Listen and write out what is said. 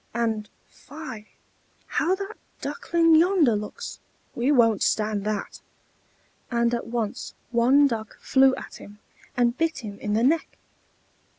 And fie! how that Duckling yonder looks: we won't stand that!" And at once one Duck flew at him, and bit him in the neck.